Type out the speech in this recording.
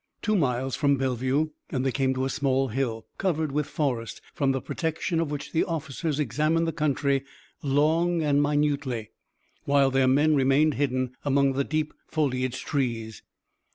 Two miles from Bellevue and they came to a small hill, covered with forest, from the protection of which the officers examined the country long and minutely, while their men remained hidden among the deep foliaged trees.